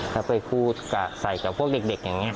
แล้วก็พูดใส่กับพวกเด็กนี่